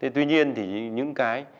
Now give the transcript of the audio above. tuy nhiên thì những cái